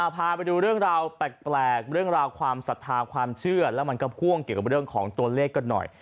พาไปดูเรื่องราวแปลกเรื่องราวความศรัทธาความเชื่อแล้วมันก็พ่วงเกี่ยวกับเรื่องของตัวเลขกันหน่อย